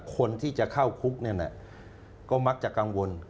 คนที่จะเข้าคุกเนี่ยนะก็มักจะกังวล